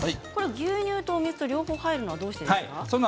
牛乳とお水両方入るのはどうしてですか？